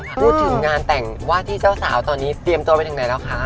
พูดถึงงานแต่งว่าที่เจ้าสาวตอนนี้เตรียมตัวไปถึงไหนแล้วคะ